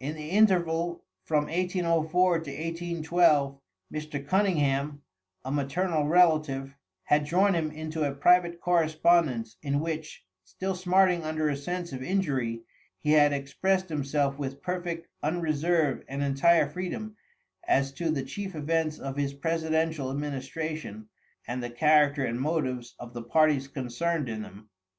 In the interval from 1804 to 1812, Mr. Cunningham, a maternal relative, had drawn him into a private correspondence in which, still smarting under a sense of injury, he had expressed himself with perfect unreserve and entire freedom as to the chief events of his presidential administration and the character and motives of the parties concerned in them.